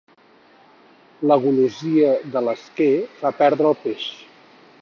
La golosia de l'esquer fa perdre el peix.